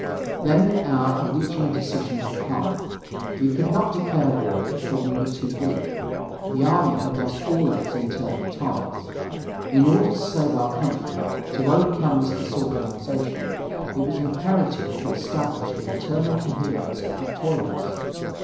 Then the hour for reaching a decision had come. We could not declare war, for we were too weak. The army had lost all of its internal ties. In order to save our country, to overcome this disorganization, it was imperative to establish the internal coherence of the toilers.